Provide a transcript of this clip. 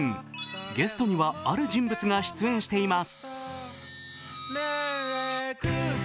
ゲストにはある人物が出演しています。